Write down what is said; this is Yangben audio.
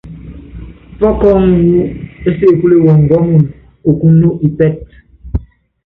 Pɔ́kɔɔ́ŋu wú ésekule wɔngɔmun, okúno ipɛ́tɛ.